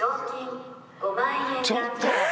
ちょっと。